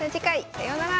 さようなら。